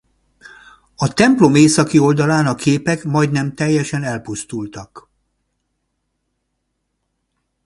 A templom északi oldalán a képek majdnem teljesen elpusztultak.